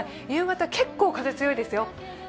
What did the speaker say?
夕方、結構風強いですよ。